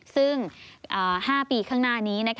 ซึ่ง๕ปีข้างหน้านี้